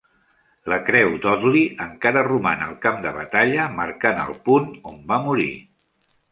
La creu d'Audley encara roman al camp de batalla marcant el punt on va morir.